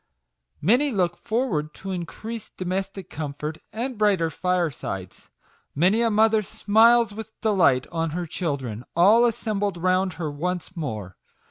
Many look forward to increased domestic comfort, and brighter firesides. Many a mother smiles with delight on her children, all assembled round her once more.